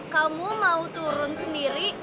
kamu mau turun sendiri